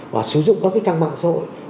và sử dụng các trang mạng xã hội